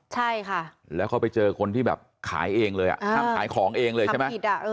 ใช่ค่ะแล้วเขาไปเจอคนที่แบบขายเองเลยอ่ะห้ามขายของเองเลยใช่ไหม